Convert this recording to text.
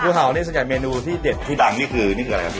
เห่านี่ส่วนใหญ่เมนูที่เด็ดที่ดังนี่คือนี่คืออะไรครับพี่